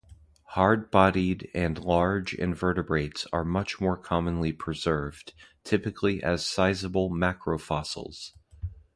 "Hard-"bodied and "large" invertebrates are much-more commonly preserved; typically as sizeable macrofossils.